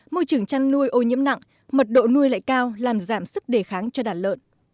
môi trường chăn nuôi ô nhiễm nặng mật độ nuôi lại cao làm giảm sức đề kháng cho đàn lợn